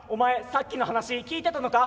さっきの話聞いてたのか」。